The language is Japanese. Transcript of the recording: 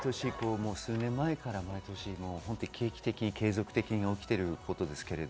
毎年、数年前から定期的に継続的に起きていることです。